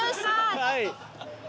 はい。